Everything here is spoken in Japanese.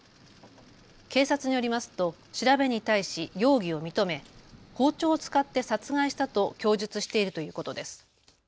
警察によりますと調べに対し容疑を認め包丁を使って殺害したと供述しているということです。